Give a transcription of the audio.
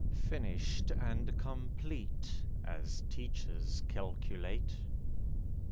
Finished and complete (As teachers calculate).